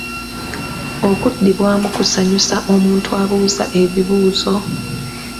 Okuddibwamu kisanyuza omuntu abuuza ebibuuzo.